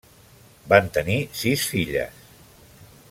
Van tenir sis filles.